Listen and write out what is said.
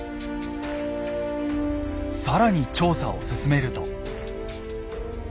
更に調査を進めると。